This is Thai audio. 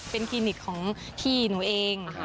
เป็นคลินิกของพี่หนูเอง